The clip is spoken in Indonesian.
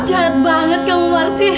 jahat banget kamu marsi